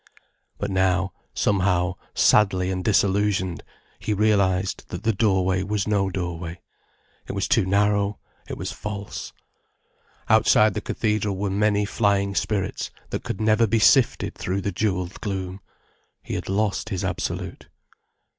But now, somehow, sadly and disillusioned, he realized that the doorway was no doorway. It was too narrow, it was false. Outside the cathedral were many flying spirits that could never be sifted through the jewelled gloom. He had lost his absolute.